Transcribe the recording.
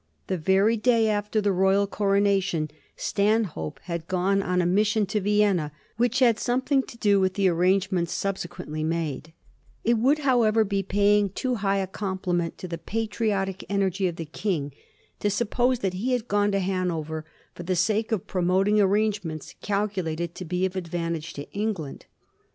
The very day after the royal corona tion Stanhope had gone on a mission to Vienna which had something to do with the arrangements subse quently made. It would, however, be paying too high a compli Digiti zed by Google 200 A HISTORY OF THE FOUR GEORGES. ce. ix. ment to the patriotic energy of the King to suppose that he had gone to Hanover for the sake of promoting arrangements calculated to be of advantage to England.